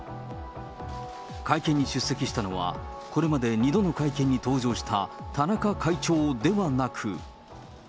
会見に出席したのは、これまで２度の会見に登場した田中会長ではなく。